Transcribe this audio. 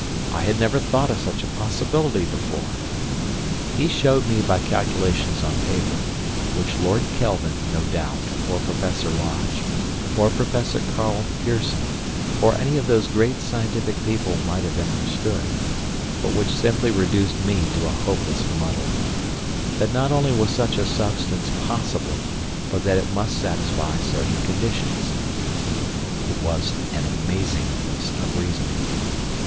I had never thought of such a possibility before. He showed me by calculations on paper, which Lord Kelvin, no doubt, or Professor Lodge, or Professor Karl Pearson, or any of those great scientific people might have understood, but which simply reduced me to a hopeless muddle, that not only was such a substance possible, but that it must satisfy certain conditions. It was an amazing piece of reasoning.